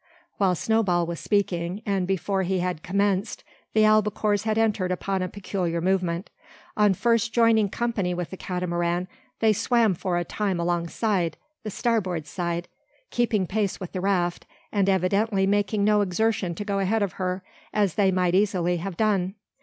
While Snowball was speaking, and before he had commenced, the albacores had entered upon a peculiar movement. On first joining company with the Catamaran, they swam for a time alongside, the starboard side, keeping pace with the raft, and evidently making no exertion to go ahead of her, as they might easily have done.